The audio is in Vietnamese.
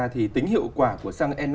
thì tính hiệu quả của xăng e năm